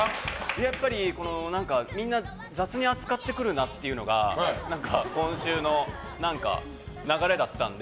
やっぱり、みんな雑に扱ってくるなっていうのが何か、今週の流れだったので。